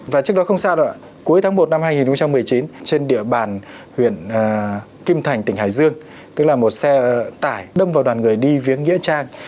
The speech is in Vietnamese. và trước đó không sao đoạn cuối tháng một năm hai nghìn một mươi chín trên địa bàn huyện kim thành tỉnh hải dương tức là một xe tải đâm vào đoàn người đi viếng nghĩa trang